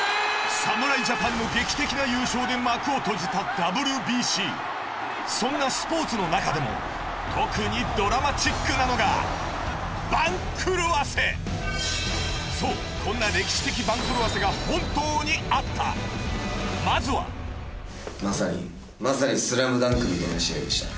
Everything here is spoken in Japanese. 侍ＪＡＰＡＮの劇的な優勝で幕を閉じたＷＢＣそんなスポーツの中でも特にドラマチックなのが番狂わせそうこんな歴史的番狂わせが本当にあったまずはまさにまさに『ＳＬＡＭＤＵＮＫ』みたいな試合でした。